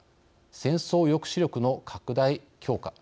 戦争抑止力の拡大・強化。